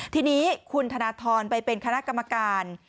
ทีนี้คุณธนทรไปเป็นคณะกรรมการ